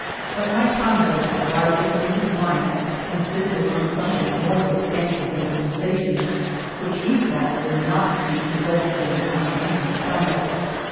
Argamasilla But my Panza, rising in his might, insisted on something more substantial than sensa tions which he thought were not to be in dulged in on an empty stomach.